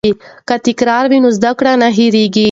که تکرار وي نو زده کړه نه هېریږي.